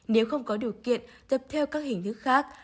nếu không có điều kiện tập theo các hình thức khác